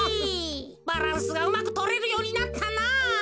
バランスがうまくとれるようになったなぁ。